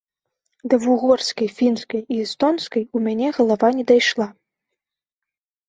Да вугорскай, фінскай і эстонскай у мяне галава не дайшла.